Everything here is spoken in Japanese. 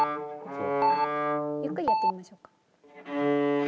ゆっくりやってみましょうか。